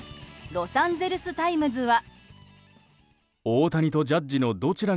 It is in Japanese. ロサンゼルス・タイムズは。